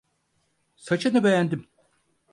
Saçını beğendim.